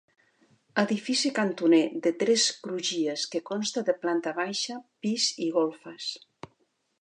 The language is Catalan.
Edifici cantoner de tres crugies que consta de planta baixa, pis i golfes.